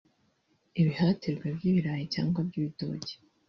ibihatirwa by’ibirayi cyangwa by’ibitoki